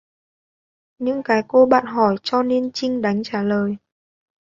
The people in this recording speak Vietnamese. Những cái cô bạn hỏi cho nên Trinh đánh trả lời